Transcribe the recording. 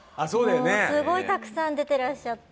すごいたくさん出てらっしゃって。